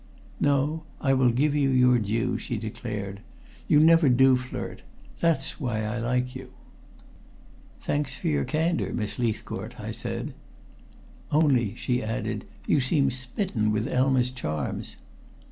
"No. I will give you your due," she declared. "You never do flirt. That is why I like you." "Thanks for your candor, Miss Leithcourt," I said. "Only," she added, "you seem smitten with Elma's charms."